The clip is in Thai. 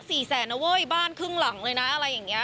สี่แสนนะเว้ยบ้านครึ่งหลังเลยนะอะไรอย่างเงี้